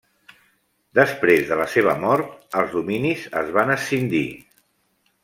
Després de la seva mort els dominis es van escindir.